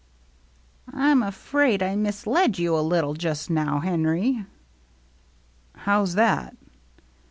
" I'm afraid I misled you a little just now, Henry." "How's that?"